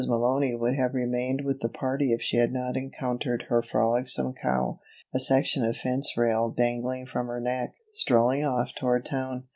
Malony would have remained with the party if she had not encountered her frolicsome cow, a section of fence rail dangling from her neck, strolling off toward town.